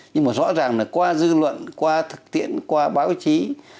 nhưng mà rõ ràng là qua dư luận qua thực tiễn qua báo chí